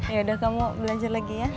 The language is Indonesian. ya udah kamu belanja lagi ya